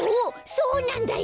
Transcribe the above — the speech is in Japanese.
そうなんだよ。